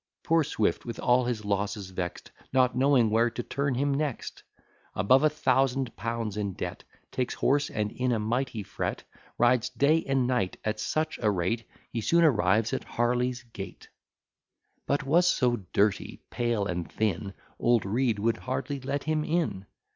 Poor Swift, with all his losses vex'd, Not knowing where to turn him next, Above a thousand pounds in debt, Takes horse, and in a mighty fret Rides day and night at such a rate, He soon arrives at Harley's gate; But was so dirty, pale, and thin, Old Read would hardly let him in.